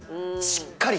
しっかり。